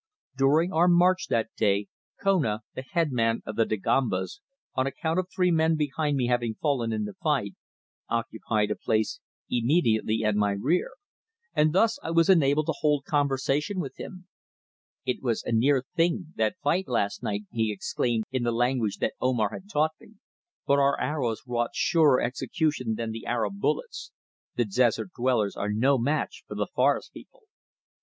During our march that day, Kona, the headman of the Dagombas, on account of three men behind me having fallen in the fight, occupied a place immediately at my rear, and thus I was enabled to hold conversation with him. "It was a near thing, that fight last night," he exclaimed in the language that Omar had taught me. "But our arrows wrought surer execution than the Arab bullets. The desert dwellers are no match for the forest people."